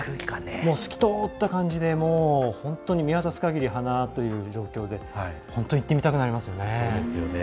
透き通った感じで見渡すかぎり花という状況で本当、行ってみたくなりますよね。